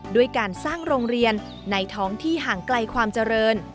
ด้วยการสร้างโรงเรียนในท้องที่ห่างไกลความเจริญ